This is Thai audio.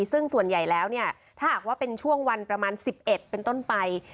ซึ่งส่วนใหญ่แล้วเนี่ยถ้าหากว่าเป็นช่วงวันประมาณ๑๑เป็นต้นไป